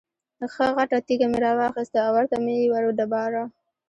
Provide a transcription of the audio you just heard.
ښه غټه تیږه مې را واخسته او ورته مې یې وډباړه.